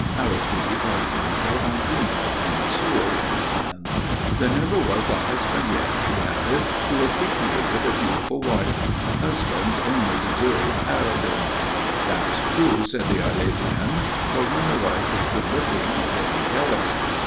Aristide prided himself on being a connoisseur in hands. "There never was a husband yet," he added, "who appreciated a beautiful wife. Husbands only deserve harridans." "That's true," said the Arlésienne, "for when the wife is good looking they are jealous."